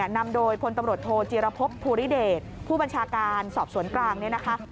นำโดยพลตำรวจโทรจิรพพุธภูริเดชผู้บัญชาการสอบสวนกลาง